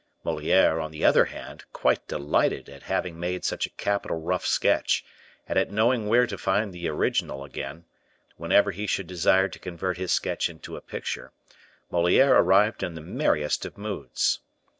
Moliere, on the other hand, quite delighted at having made such a capital rough sketch, and at knowing where to find his original again, whenever he should desire to convert his sketch into a picture, Moliere arrived in the merriest of moods.